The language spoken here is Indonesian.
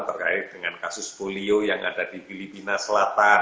terkait dengan kasus polio yang ada di filipina selatan